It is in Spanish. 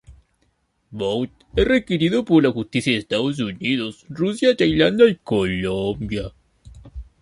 Bout es requerido por la justicia de Estados Unidos, Rusia, Tailandia y Colombia.